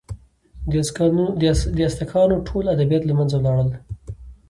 د ازتکانو ټول ادبیات له منځه ولاړل.